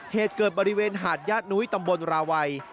เหตุเกิดบริเวณหาดญาตินุ้ยตำบลราวัย